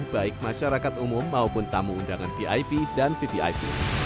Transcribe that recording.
baik masyarakat umum maupun tamu undangan vip dan vvip